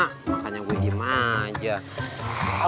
makanya gue diam aja